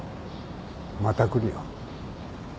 また来るよ。